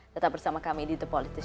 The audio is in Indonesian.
tetap bersama kami di the politician